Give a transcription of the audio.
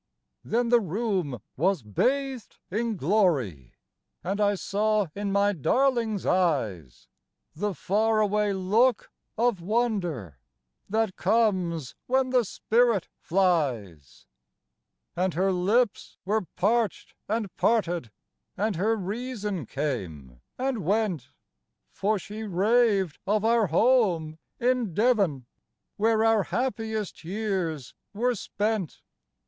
*^' Then the room was bathed in glory^ And I saw in my darling's eyes The far away look of wonder That comes when the spirit flies ; And her lips were parched and parted, And her reason came and went, For she raved of our home in Devon, Where our happiest years were spent.